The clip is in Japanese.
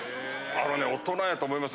あのね大人やと思います。